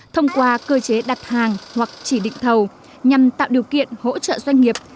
thông qua cơ chế đặt hàng hoặc chỉ định thầu nhằm tạo điều kiện hỗ trợ doanh nghiệp